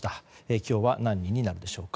今日は何人になるでしょうか。